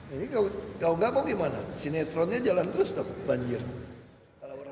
ini kalau enggak apa gimana sinetronnya jalan terus dong banjir